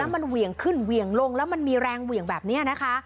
มันเหวี่ยงขึ้นเหวี่ยงลงแล้วมันมีแรงเหวี่ยงแบบนี้นะคะ